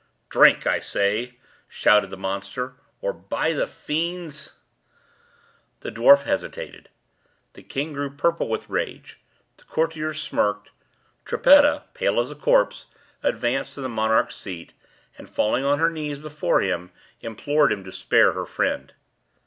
"Drink, I say!" shouted the monster, "or by the fiends—" The dwarf hesitated. The king grew purple with rage. The courtiers smirked. Trippetta, pale as a corpse, advanced to the monarch's seat, and, falling on her knees before him, implored him to spare her friend.